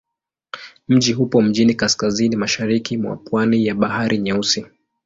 Mji upo mjini kaskazini-mashariki mwa pwani ya Bahari Nyeusi.